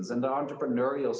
dan dalam alasan pembangunan